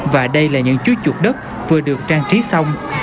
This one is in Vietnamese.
và đây là những chú chuột đất vừa được trang trí xong